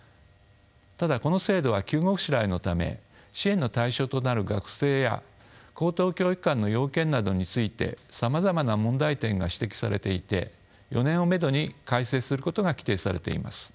ただこの制度は急ごしらえのため支援の対象となる学生や高等教育機関の要件などについてさまざまな問題点が指摘されていて４年をめどに改正することが規定されています。